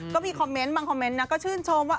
ก็มีคอมเมนต์บางคอมเมนต์นะก็ชื่นชมว่า